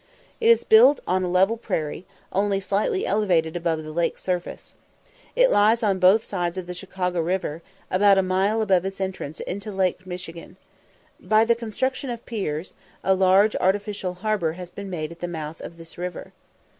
It is built on a level prairie, only slightly elevated above the lake surface. It lies on both sides of the Chicago river, about a mile above its entrance into Lake Michigan. By the construction of piers, a large artificial harbour has been made at the mouth of this river.